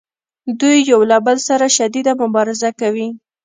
دوی یو له بل سره شدیده مبارزه کوي